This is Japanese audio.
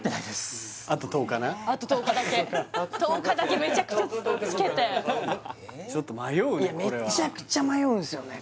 あと１０日だけ１０日だけめちゃくちゃつけてちょっと迷うね